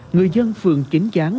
người dân phường chính gián